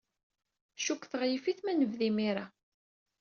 Cukkteɣ yif-it ma nebda imir-a.